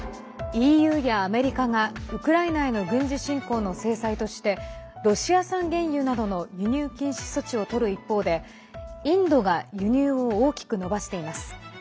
ＥＵやアメリカがウクライナへの軍事侵攻の制裁としてロシア産原油などの輸入禁止措置をとる一方でインドが輸入を大きく伸ばしています。